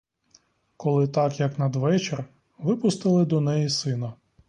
Коли так як надвечір випустили до неї сина.